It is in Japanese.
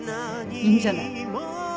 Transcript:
いいんじゃない。